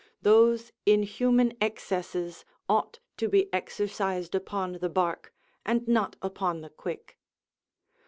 Those inhuman excesses ought to be exercised upon the bark, and not upon the quick.